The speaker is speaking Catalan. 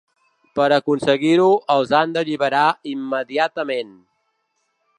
Per aconseguir-ho els han d’alliberar immediatament.